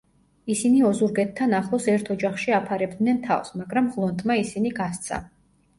ისინი ოზურგეთთან ახლოს ერთ ოჯახში აფარებდნენ თავს, მაგრამ ღლონტმა ისინი გასცა.